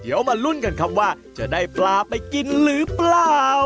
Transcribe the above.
เดี๋ยวมาลุ้นกันครับว่าจะได้ปลาไปกินหรือเปล่า